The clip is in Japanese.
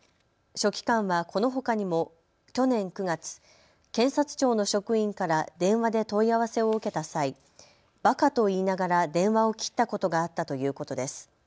書記官はこのほかにも去年９月、検察庁の職員から電話で問い合わせを受けた際バカと言いながら電話を切ったことがあったということです。